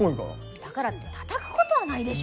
だからってたたくことはないでしょ。